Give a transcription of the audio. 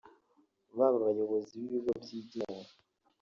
Baba abayobozi b’ibigo byigenga